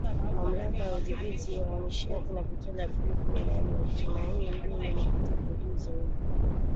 Mamlaka ya Udhibiti wa Nishati na Petroli Aprili kumi na nne wakitumaini bei ya mafuta kuwa juu zaidi